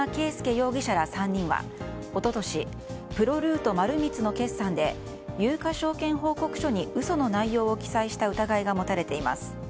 容疑者ら３人は一昨年、プロルート丸光の決算で有価証券報告書に嘘の内容を記載した疑いが持たれています。